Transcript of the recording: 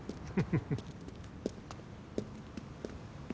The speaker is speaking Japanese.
フフフ。